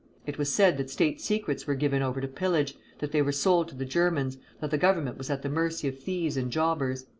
It was said that state secrets were given over to pillage, that they were sold to the Germans, that the Government was at the mercy of thieves and jobbers.